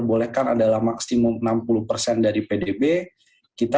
yang bercengel dalam manzan berhubungan sama tenaga